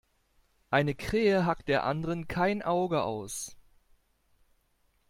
Eine Krähe hackt der anderen kein Auge aus.